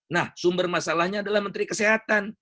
nah sumber masalahnya adalah menteri kesehatan